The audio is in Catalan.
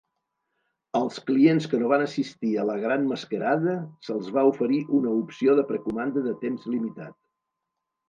Als clients que no van assistir a la Gran Masquerade se'ls va oferir una opció de precomanda de temps limitat.